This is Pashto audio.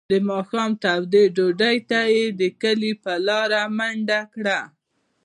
د ماښام تودې ډوډۍ ته یې د کلي په لاره منډه کړه.